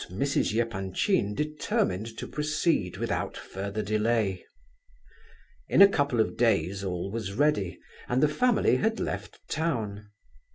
] and to this spot Mrs. Epanchin determined to proceed without further delay. In a couple of days all was ready, and the family had left town.